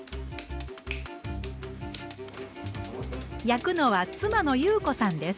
焼くのは妻の優子さんです。